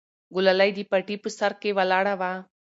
ګلالۍ د پټي په سر کې ولاړه وه.